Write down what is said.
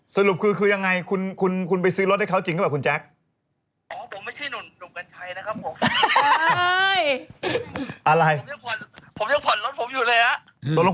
สรุปคือยังไงคุณไปซื้อรถให้เขาจริงหรือเปล่าคุณแจ๊ค